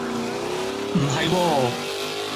唔係喎